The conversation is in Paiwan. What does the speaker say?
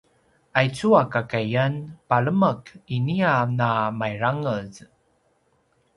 aicu a kakaiyan palemek ini a na mairangez